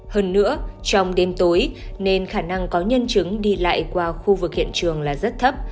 hơn nữa trong đêm tối nên khả năng có nhân chứng đi lại qua khu vực hiện trường là rất thấp